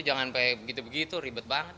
jangan kayak begitu begitu ribet banget